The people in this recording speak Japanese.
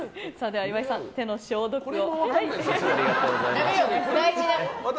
岩井さん、手の消毒を。